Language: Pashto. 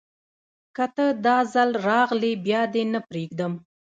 که ته، داځل راغلي بیا دې نه پریږدم